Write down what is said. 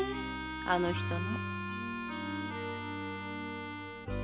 あの人の。